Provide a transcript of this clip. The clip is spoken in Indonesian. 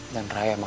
dan raya mah harus